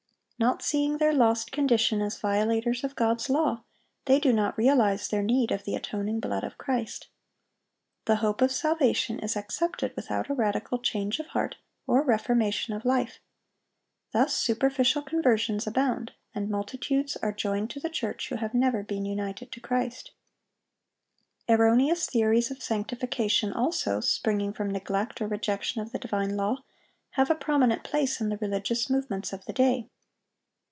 Not seeing their lost condition as violators of God's law, they do not realize their need of the atoning blood of Christ. The hope of salvation is accepted without a radical change of heart or reformation of life. Thus superficial conversions abound, and multitudes are joined to the church who have never been united to Christ. Erroneous theories of sanctification, also, springing from neglect or rejection of the divine law, have a prominent place in the religious movements of the day.